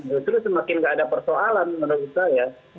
justru semakin nggak ada persoalan menurut saya